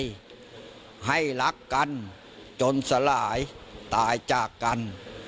ให้รักกันจนสลายตายจากกัน